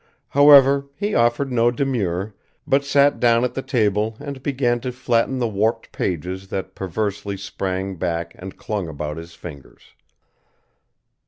However, he offered no demur, but sat down at the table and began to flatten the warped pages that perversely sprang back and clung about his fingers.